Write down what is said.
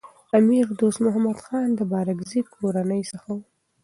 امیر دوست محمد خان د بارکزايي کورنۍ څخه و.